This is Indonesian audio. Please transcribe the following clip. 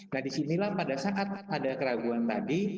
nah di sinilah pada saat ada keraguan tadi